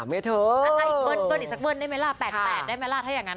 ถ้าอีกเบิ้ลอีกสักเบิ้ลได้ไหมล่ะ๘๘ได้ไหมล่ะถ้าอย่างนั้น